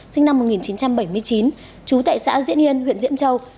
sinh năm một nghìn chín trăm bảy mươi chín trú tại xã diễn yên huyện diễn châu